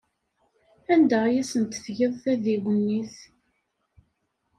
Anda ay asent-tgiḍ tadiwennit?